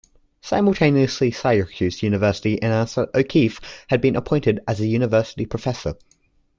Simultaneously Syracuse University announced that O'Keefe had been appointed as a University Professor.